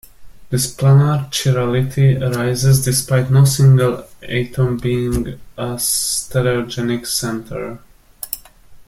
This planar chirality arises despite no single atom being a stereogenic centre.